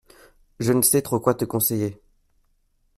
Je ne sais trop quoi te conseiller.